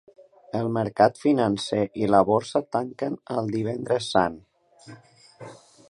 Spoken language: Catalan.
El mercat financer i la borsa tanquen el Divendres Sant.